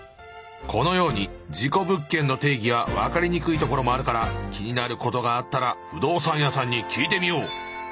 このように事故物件の定義は分かりにくいところもあるから気になることがあったら不動産屋さんに聞いてみよう。